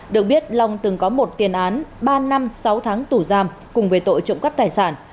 được biết long từng có một tiền án ba năm sáu tháng tù giam cùng về tội trộm cắp tài sản